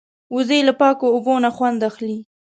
وزې له پاکو اوبو نه خوند اخلي